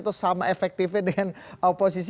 atau sama efektifnya dengan oposisi